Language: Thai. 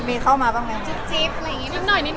ขออย่างหนึ่งกับเรื่องนี้ได้ทำที่วันจีบการแก้คามก่อนก็นิดนึง